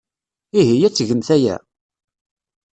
Ihi, ad tgemt aya?